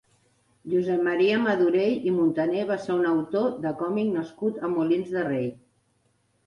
Josep Maria Madorell i Muntané va ser un autor de còmic nascut a Molins de Rei.